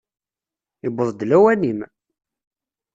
Yewweḍ-d lawan-im!